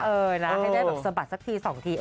เออนะให้ได้แบบสะบัดสักที๒ที